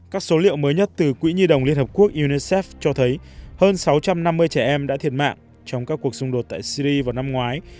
các số liệu mới nhất từ quỹ nhi đồng liên hợp quốc unicef cho thấy hơn sáu trăm năm mươi trẻ em đã thiệt mạng trong các cuộc xung đột tại syri vào năm ngoái